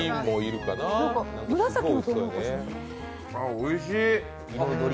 おいしい！